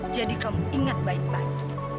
jadi kamu ingat baik baik